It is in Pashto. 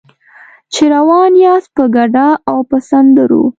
چې روان یاست په ګډا او په سندرو.